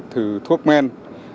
thử thuốc men